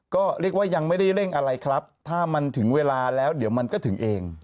ก็เรียกว่ายังไม่ได้เร่งอะไรครับถ้ามันถึงเวลาแล้วเดี๋ยวมันก็ถึงเอง